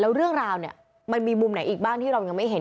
แล้วเรื่องราวเนี่ยมันมีมุมไหนอีกบ้างที่เรายังไม่เห็น